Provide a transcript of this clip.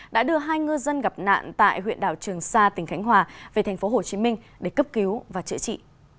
đã đưa hai ngư dân gặp nạn tại huyện đảo trường sa tỉnh khánh hòa về tp hcm để cấp cứu và chữa trị